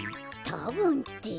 たぶんって。